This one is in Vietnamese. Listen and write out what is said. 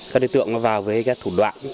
các đối tượng vào với các thủ đoạn